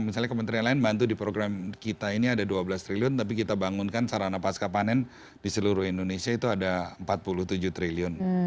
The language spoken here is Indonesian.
misalnya kementerian lain bantu di program kita ini ada dua belas triliun tapi kita bangunkan sarana pasca panen di seluruh indonesia itu ada empat puluh tujuh triliun